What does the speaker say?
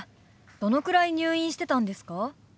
どのくらい入院してたんですか？